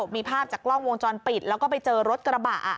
มีภาพจากกล้องวงจรปิดแล้วก็ไปเจอรถกระบะ